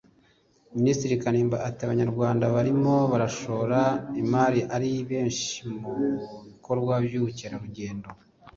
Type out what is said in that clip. Minisitiri Kanimba ati “Abanyarwanda barimo barashora imari ari benshi mu bikorwa by’ubukerarugendo